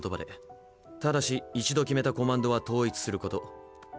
ただし一度決めたコマンドは統一すること。